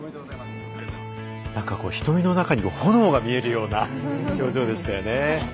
瞳の中に炎が見えるような表情でしたよね。